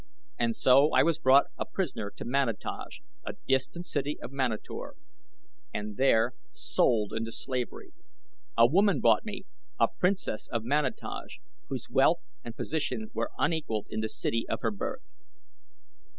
And so I was brought a prisoner to Manataj, a distant city of Manator, and there sold into slavery. A woman bought me a princess of Manataj whose wealth and position were unequaled in the city of her birth.